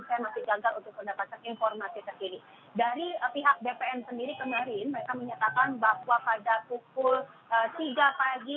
saya menunggu di depan kbri untuk mendapatkan informasi terkini dari ppln kuala lumpur atau bahkan dari bawah seluruh mnj